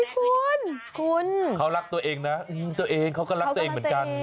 คุณคุณเขารักตัวเองนะตัวเองเขาก็รักตัวเองเหมือนกัน